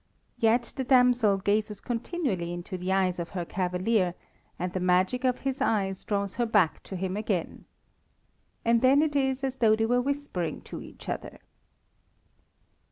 Yet the damsel gazes continually into the eyes of her cavalier, and the magic of his eyes draws her back to him again. And then it is as though they were whispering to each other.